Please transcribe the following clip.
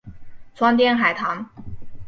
川滇海棠